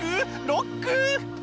ロック！